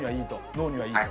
脳にはいいと。